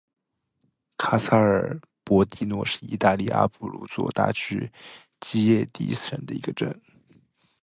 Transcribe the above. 卡萨尔博迪诺是意大利阿布鲁佐大区基耶蒂省的一个镇。